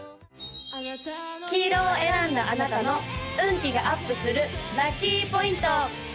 黄色を選んだあなたの運気がアップするラッキーポイント！